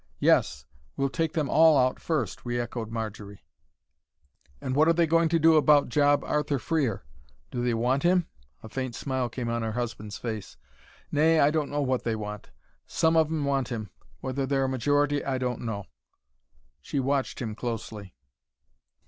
"Yes, we'll take them ALL out first," re echoed Marjory. "And what are they going to do about Job Arthur Freer? Do they want him?" A faint smile came on her husband's face. "Nay, I don't know what they want. Some of 'em want him whether they're a majority, I don't know." She watched him closely.